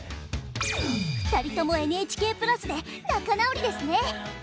２人ともＮＨＫプラスで仲直りですね。